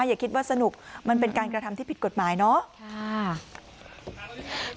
อย่าคิดว่าสนุกมันเป็นการกระทำที่ผิดกฎหมายเนาะ